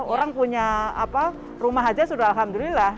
orang punya rumah saja sudah alhamdulillah